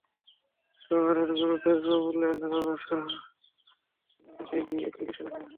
শহরের গুরুদাস বাবু লেন, রাজারহাটসহ বিভিন্ন এলাকায় গিয়ে একই দৃশ্য দেখা গেছে।